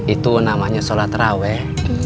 itu namanya sholat raweh